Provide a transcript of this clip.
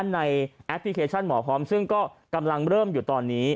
แอปพลิเคชันหมอพร้อมซึ่งก็กำลังเริ่มอยู่ตอนนี้